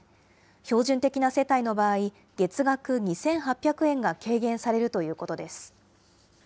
標準的な世帯の場合、月額２８００円が軽減されるということです。